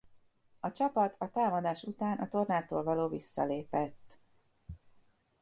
A csapat a támadás után a tornától való visszalépett.